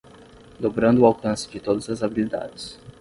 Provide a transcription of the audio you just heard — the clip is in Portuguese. Dobrando o alcance de todas as habilidades